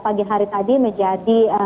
pagi hari tadi menjadi